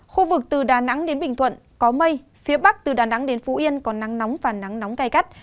khu vực từ đà nẵng đến bình thuận có mây phía bắc từ đà nẵng đến phú yên có nắng nóng và nắng nóng gai gắt